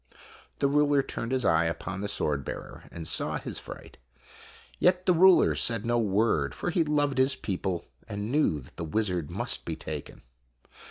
The ruler turned his eye upon the swordbearer and saw his fright. Yet the ruler said no word, for he loved his people, and knew that the wizard must be taken.